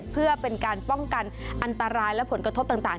เพื่อเป็นการป้องกันอันตรายและผลกระทบต่าง